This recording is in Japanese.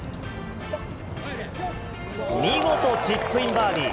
見事チップインバーディー。